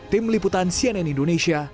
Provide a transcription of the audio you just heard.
tim liputan cnn indonesia